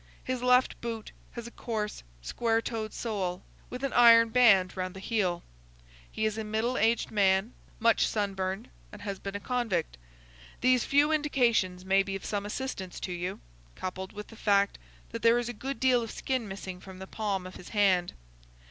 His left boot has a coarse, square toed sole, with an iron band round the heel. He is a middle aged man, much sunburned, and has been a convict. These few indications may be of some assistance to you, coupled with the fact that there is a good deal of skin missing from the palm of his hand.